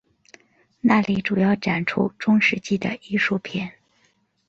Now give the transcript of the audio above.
那里主要展出中世纪的艺术品。